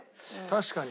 確かに。